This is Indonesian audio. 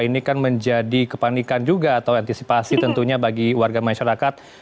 ini kan menjadi kepanikan juga atau antisipasi tentunya bagi warga masyarakat